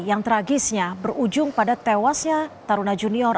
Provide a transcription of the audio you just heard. yang tragisnya berujung pada tewasnya taruna junior